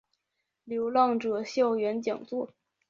流浪者校园讲座